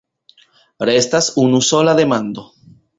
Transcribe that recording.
Restas unusola demando.